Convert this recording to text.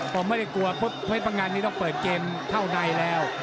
ผมไม่ได้กลัวปุ๊บเพชรพังงานนี้ต้องเปิดเกมเข้าในแล้ว